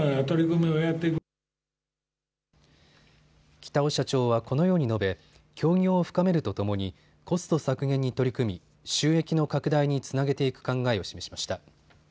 北尾社長はこのように述べ協業を深めるとともにコスト削減に取り組み収益の拡大につなげていく考えを示しました。